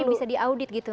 jadi bisa diaudit gitu